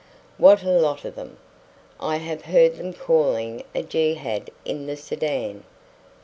What a lot of them! I have heard them calling a jehad in the Sudan.